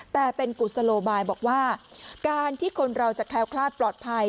แต่เป็นกุศโลบายบอกว่าการที่คนเราจะแคล้วคลาดปลอดภัย